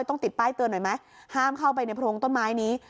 ต้องติดป้ายเตือนหน่อยไหมห้ามเข้าไปในโพรงต้นไม้นี้